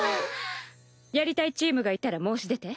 やりたいチームがいたら申し出て。